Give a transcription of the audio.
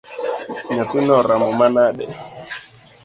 Nyathino oramo manade?